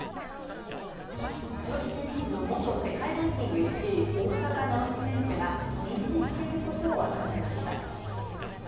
女子テニスの元世界ランキング１位・大坂なおみ選手が妊娠していることを明かしました。